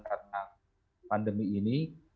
karena pandemi ini